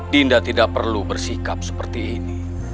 dinda tidak perlu bersikap seperti ini